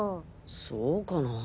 そうかなぁ。